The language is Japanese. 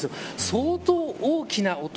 相当大きな音。